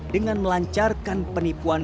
dengan melancarkan penipuan